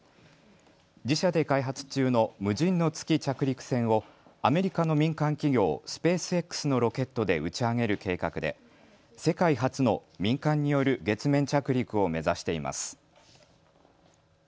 自社で開発中の無人の月着陸船をアメリカの民間企業、スペースＸのロケットで打ち上げる計画で世界初の民間による月面着陸を目指しています。